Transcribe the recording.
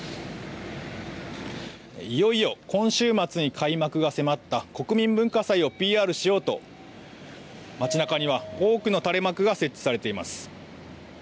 いよいよ今週末に開幕が迫った国民文化祭をＰＲしようと街なかには多くの垂れ幕が設置されています。